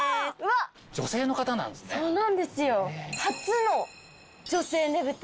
そうなんですよ。